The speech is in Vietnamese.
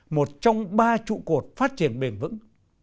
một trong ba trụ cột phát triển bền vững